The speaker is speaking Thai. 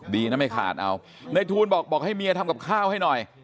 ดีนะไม่ขาดเอาในทูลบอกบอกให้เมียทำกับข้าวให้หน่อย